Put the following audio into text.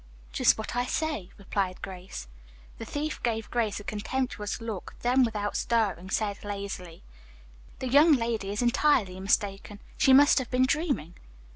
"Just what I say," replied Grace. The thief gave Grace a contemptuous look, then without stirring, said lazily, "The young lady is entirely mistaken. She must have been dreaming."